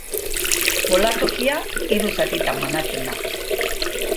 Bolatokia hiru zatitan banatzen da.